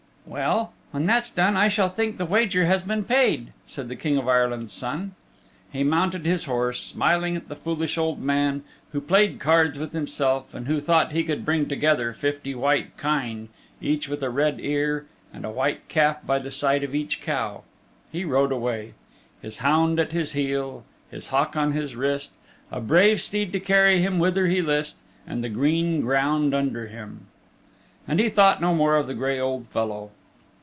"Well, when that's done I shall think the wager has been paid," said the King of Ireland's son. He mounted his horse, smiling at the foolish old man who played cards with himself and who thought he could bring together fifty white kine, each with a red ear, and a white calf by the side of each cow. He rode away His hound at his heel, His hawk on his wrist; A brave steed to carry him whither he list, And the green ground under him, and he thought no more of the gray old fellow.